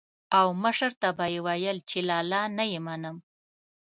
او مشر ته به یې ويل چې لالا نه يې منم.